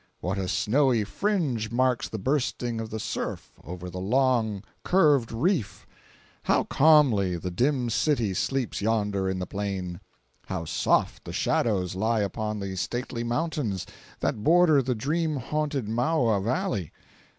What a snowy fringe marks the bursting of the surf over the long, curved reef! How calmly the dim city sleeps yonder in the plain! How soft the shadows lie upon the stately mountains that border the dream haunted Mauoa Valley!